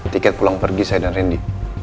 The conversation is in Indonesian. tiket pulang pergi saya dan randy